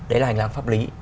đấy là hành lang pháp lý